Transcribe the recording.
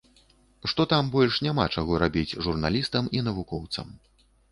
Што там больш няма чаго рабіць журналістам і навукоўцам.